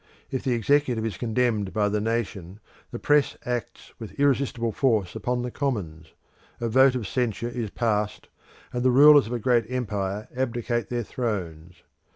If the Executive is condemned by the nation, the press acts with irresistible force upon the Commons; a vote of censure is passed and the rulers of a great empire abdicate their thrones.